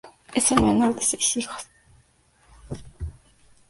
Es el menor de seis hijos.